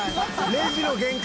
レジの限界